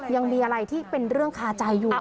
ยังมีอะไรที่เป็นเรื่องคาใจอยู่